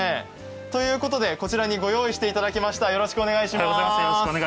ということでこちらにご用意していただきました、よろしくお願いします。